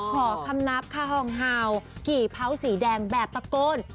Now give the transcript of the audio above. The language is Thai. ขอคำนับค่ะฮองฮาวกี่เผาสีแดงแบบตะโกน